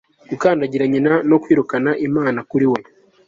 Gukandagira nyina no kwirukana Imana kuri we